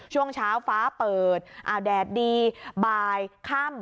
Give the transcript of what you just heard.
ช่วงเช้าฟ้าเปิดอ้าวแดดดีบ่ายค่ำ